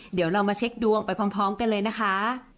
เดี๋ยวเรามาเช็คดวงไปพร้อมกันเลยนะคะ